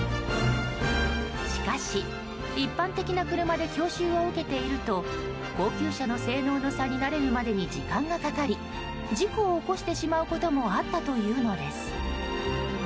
しかし、一般的な車で教習を受けていると高級車の性能の差に慣れるまでに時間がかかり事故を起こしてしまうこともあったというのです。